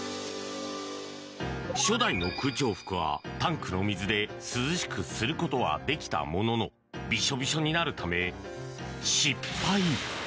初代の空調服はタンクの水で涼しくすることはできたもののビショビショになるため失敗。